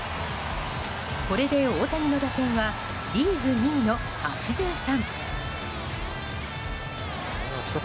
これで大谷の打点はリーグ２位の８３。